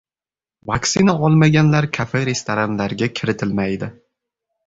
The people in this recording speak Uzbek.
Vaktsina olmaganlar kafe-restoranlarga kiritilmaydi